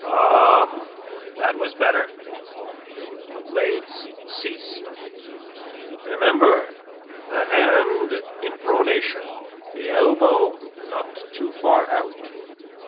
"Come, that was better." The blades ceased. "Remember: the hand in pronation, the elbow not too far out.